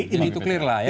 jadi itu clear lah ya